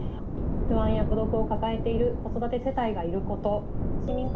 不安や孤独を抱えている子育て世帯がいること。